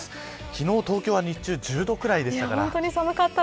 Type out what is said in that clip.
昨日、東京は日中１０度くらいでしたから。